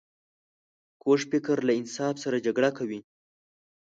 کوږ فکر له انصاف سره جګړه کوي